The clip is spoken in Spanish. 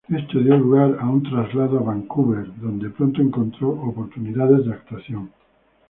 Esto dio lugar a un movimiento a Vancouver, donde pronto encontró oportunidades de actuación.